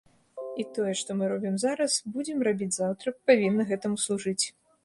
І тое, што мы робім зараз, будзем рабіць заўтра, павінна гэтаму служыць.